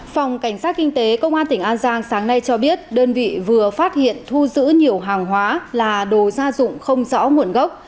phòng cảnh sát kinh tế công an tỉnh an giang sáng nay cho biết đơn vị vừa phát hiện thu giữ nhiều hàng hóa là đồ gia dụng không rõ nguồn gốc